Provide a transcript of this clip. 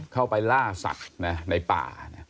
เข้าไปล่าสัตว์ในป่า